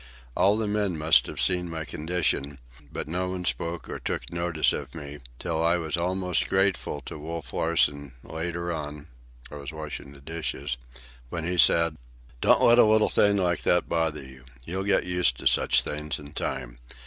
All the men must have seen my condition, but not one spoke or took notice of me, till I was almost grateful to Wolf Larsen, later on (I was washing the dishes), when he said: "Don't let a little thing like that bother you. You'll get used to such things in time.